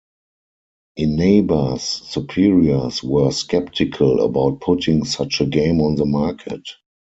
Inaba's superiors were skeptical about putting such a game on the market.